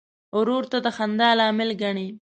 ورور ته د خندا لامل ګڼې.